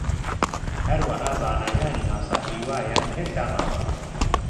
هەروەها زانایانی ناسا هیوایان هێشتا ماوە